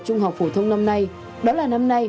trung học phổ thông năm nay đó là năm nay